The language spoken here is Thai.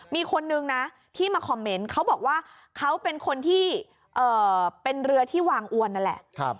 มีคนนึงนะที่มาคอมเมนต์เขาบอกว่าเขาเป็นคนที่เป็นเรือที่วางอวนนั่นแหละ